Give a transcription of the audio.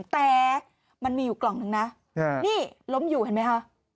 แต่มันมีอยู่กล่องนึงนะนี่ล้มอยู่เห็นไหมคะ